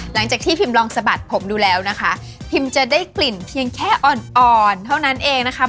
หลังจากที่พิมลองสะบัดผมดูแล้วนะคะพิมจะได้กลิ่นเพียงแค่อ่อนอ่อนเท่านั้นเองนะคะ